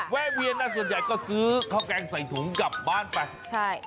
เวียนนะส่วนใหญ่ก็ซื้อข้าวแกงใส่ถุงกลับบ้านไปใช่